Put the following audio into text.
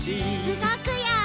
うごくよ！